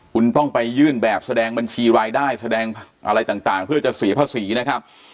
คุณต้องไปยื่นแบบแสดงบัญชีรายได้แสดงอะไรต่างเพื่อจะเสียภาษีนะครับ